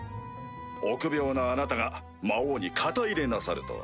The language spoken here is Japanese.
臆病なあなたが魔王に肩入れなさるとは。